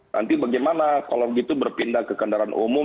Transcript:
nanti bagaimana kalau begitu berpindah ke kendaraan umum